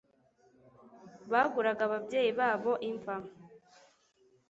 baguraga ababyeyi babo imva